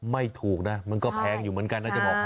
ไม่ถูกนะมันก็แพงอยู่เหมือนกันนะจะบอก